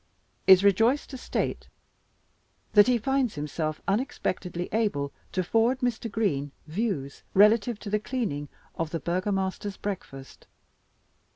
Is rejoiced to state that he finds himself unexpectedly able to forward Mr. Green's views relative to the cleaning of 'The Burgomaster's Breakfast.